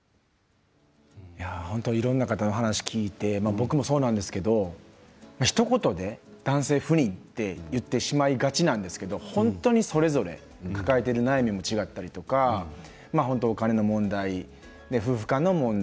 本当にいろんな方の話を聞いて僕もそうなんですけれどもひと言で男性不妊と言ってしまいがちなんですけど本当にそれぞれ抱えている悩みも違ったりとかお金の問題、夫婦間の問題